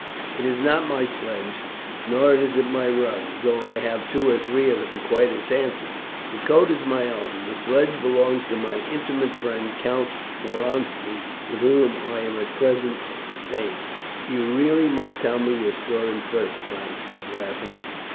"It is not my sledge, nor is it my rug, though I have two or three of them quite as handsome. The coat is my own, the sledge belongs to my intimate friend Count Woronski, with whom I am at present staying." "You really must tell me your story first," Frank said, laughing.